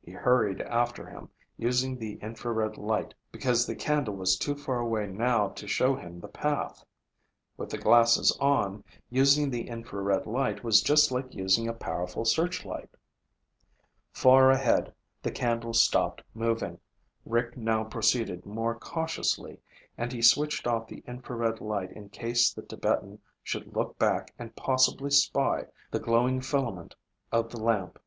He hurried after him, using the infrared light because the candle was too far away now to show him the path. With the glasses on, using the infrared light was just like using a powerful searchlight. Far ahead, the candle stopped moving. Rick now proceeded more cautiously, and he switched off the infrared light in case the Tibetan should look back and possibly spy the glowing filament of the lamp.